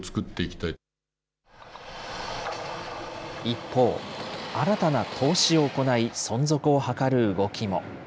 一方、新たな投資を行い、存続を図る動きも。